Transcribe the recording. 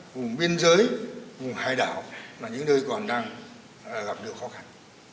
vùng biên giới vùng hải đảo là những nơi còn đang gặp được khó khăn